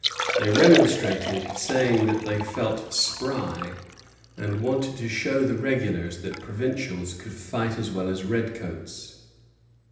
They remonstrated, saying that they "felt spry," and wanted to show the regulars that provincials could fight as well as red coats.